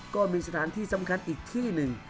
ก็มีสถานที่สำคัญอีกที่หนึ่ง